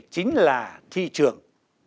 chính là thi trường